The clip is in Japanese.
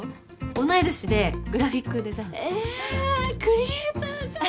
同い年でグラフィックデザイナー。えクリエイターじゃん。